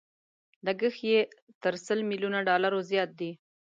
لګښت يې تر سل ميليونو ډالرو زيات دی.